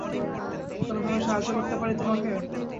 কোনোভাবে সাহায্য করতে পারি তোমাকে?